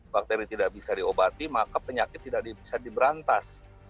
bakteri tidak bisa diobati maka penyakit tidak bisa diberantas